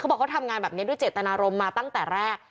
บอกเขาทำงานแบบนี้ด้วยเจตนารมณ์มาตั้งแต่แรก